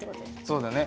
そうだね。